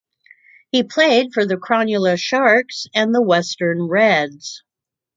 He played for the Cronulla Sharks and the Western Reds.